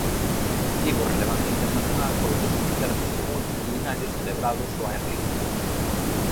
Tivo relevancia internacional polos seus concertos multitudinarios celebrados ó ar libre.